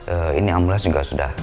eh ini ambulans juga sudah